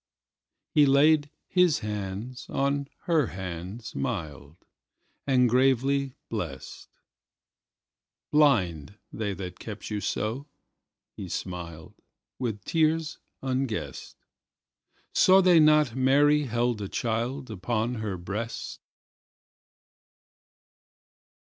He laid his hands on her hands mild, And gravely blessed;"Blind, they that kept you so," he smiled, With tears unguessed."Saw they not Mary held a childUpon her breast?"